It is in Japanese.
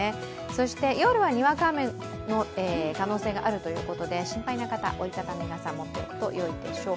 そして夜はにわか雨の可能性があるということで心配な方、折り畳み傘持っていくとよいでしょう。